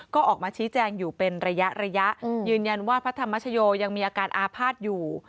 ก็ออกมาชี้แจงอยู่เป็นระยะระยะยืนยันว่าพระธรรมชโยยังมีอาการอาภาษณ์อยู่